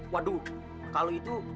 waduh kalau itu